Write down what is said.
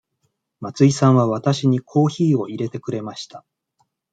松井さんはわたしにコーヒーを入れてくれました。